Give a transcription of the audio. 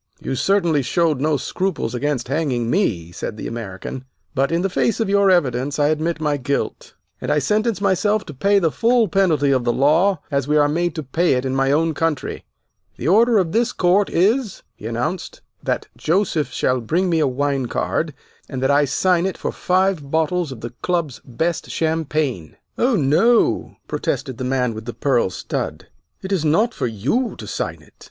"You certainly showed no scruples against hanging me," said the American, "but in the face of your evidence I admit my guilt, and I sentence myself to pay the full penalty of the law as we are made to pay it in my own country. The order of this court is," he announced, "that Joseph shall bring me a wine card, and that I sign it for five bottles of the Club's best champagne." "Oh, no!" protested the man with the pearl stud, "it is not for you to sign it.